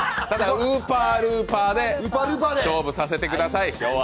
ウーパールーパーで勝負させてください、今日は。